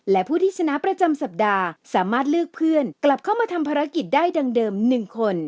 และผู้ที่ชนะประจำสัปดาห์สามารถเลือกเพื่อนกลับเข้ามาทำภารกิจได้ดังเดิม๑คน